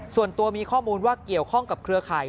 ส่วนตัวมีข้อมูลว่าเกี่ยวข้องกับเครือข่าย